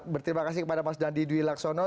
berterima kasih kepada mas dandi dwi laksono